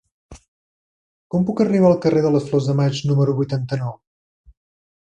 Com puc arribar al carrer de les Flors de Maig número vuitanta-nou?